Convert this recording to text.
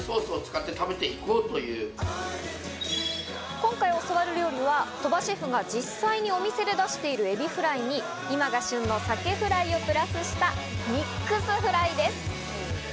今回教わる料理は鳥羽シェフが実際にお店で出しているエビフライに今が旬のサケフライをプラスしたミックスフライです。